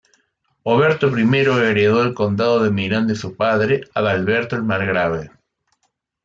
Oberto I heredó el condado de Milán de su padre, Adalberto el Margrave.